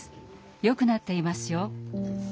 よくなっていますよ」。